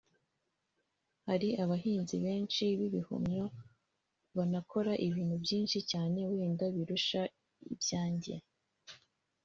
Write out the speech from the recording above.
Hari abahinzi benshi b’ibihumyo banakora ibintu byinshi cyane wenda birusha ibyanjye